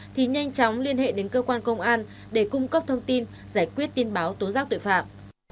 thì nhanh chóng liên hệ đến cơ quan công an để cung cấp thông tin giải quyết tin báo tố giác tội phạm